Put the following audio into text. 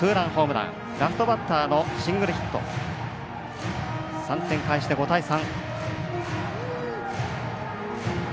ラストバッターのシングルヒット３点返して５対３。